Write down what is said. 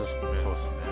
そうですね。